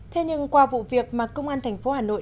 thế nhưng qua vụ việc mà công an thành phố hà nội